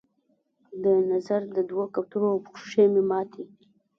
د نظر د دوو کوترو پښې مې ماتي